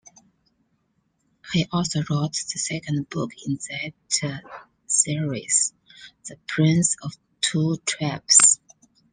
He also wrote the second book in that series, "The Prince of Two Tribes"